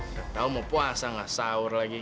udah tau mau puasa gak sahur lagi